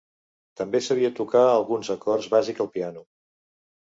També sabia tocar alguns acords bàsics al piano.